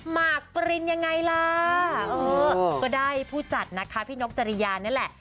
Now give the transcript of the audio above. มากปรินยังไงล่ะเออก็ได้ผู้จัดนะคะพี่นกจริยานี่แหละ